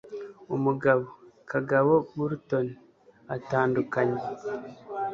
Umugabo: Kagabo Burton atandukanye,